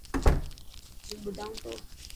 هون ٻڌائون تو.